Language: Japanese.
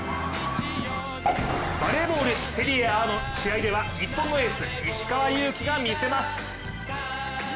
バレーボール、セリエＡの試合では日本のエース石川祐希が見せます。